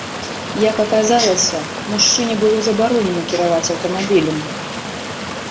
Як аказалася, мужчыне было забаронена кіраваць аўтамабілем.